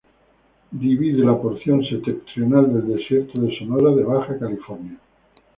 Divide la porción septentrional del desierto de Sonora de Baja California.